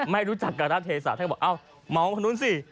ไม่รู้จักกรเทศาท่านก็บอกอ้าวมองข้านู้นสิ